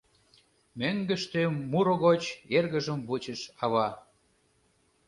Мӧҥгыштӧ муро гоч эргыжым вучыш ава: